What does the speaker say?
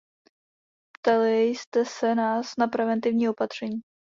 Ptaly jste se nás na preventivní opatření.